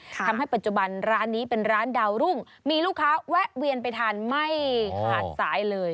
ทำให้ปัจจุบันร้านนี้เป็นร้านดาวรุ่งมีลูกค้าแวะเวียนไปทานไม่ขาดสายเลย